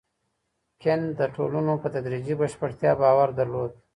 کنت د ټولنو په تدریجي بشپړتیا باور درلود.